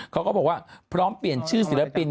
เขาก็บอกว่าพร้อมเปลี่ยนชื่อศิลปิน